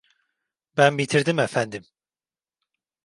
Ben bitirdim efendim!